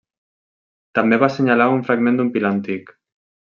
També va assenyalar un fragment d'un pilar antic.